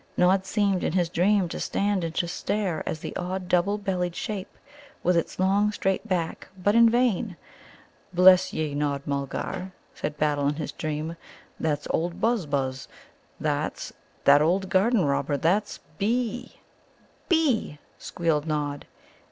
Nod seemed in his dream to stand and to stare at the odd double bellied shape, with its long straight back, but in vain. "Bless ye, Nod Mulgar," said Battle in his dream, "that's old Buzz buzz; that's that old garden robber that's 'B.'" "'B,'" squealed Nod.